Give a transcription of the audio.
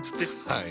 はい。